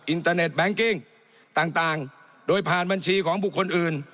อินเตอร์เน็ตแก๊งกิ้งต่างโดยผ่านบัญชีของบุคคลอื่น